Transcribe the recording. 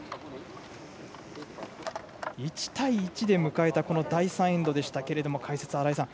１対１で迎えたこの第３エンドでしたが解説の新井さん